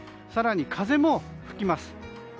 更に風も吹きます。